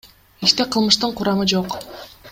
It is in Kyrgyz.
Иште кылмыштын курамы жок.